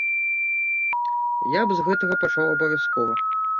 Я б з гэтага пачаў абавязкова.